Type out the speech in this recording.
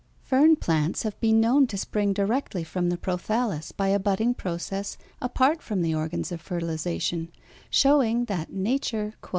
] Fern plants have been known to spring directly from the prothállus by a budding process apart from the organs of fertilization, showing that Nature "fulfills herself in many ways."